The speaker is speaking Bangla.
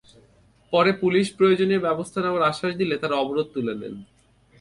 পরে পুলিশ প্রয়োজনীয় ব্যবস্থা নেওয়ার আশ্বাস দিলে তাঁরা অবরোধ তুলে নেন।